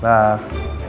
ini al sembuh